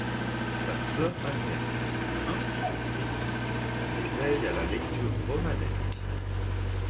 Sa sœur Agnès, institutrice, l'éveille à la lecture romanesque.